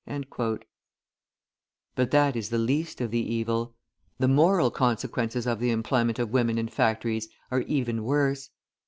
{148a} But that is the least of the evil. The moral consequences of the employment of women in factories are even worse.